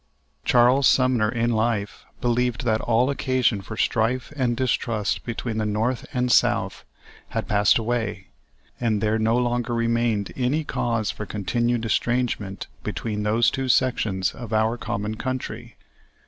Charles Sumner in life believed that all occasion for strife and distrust between the North and South had passed away, and there no longer remained any cause for continued estrangement between those two sections of our common country.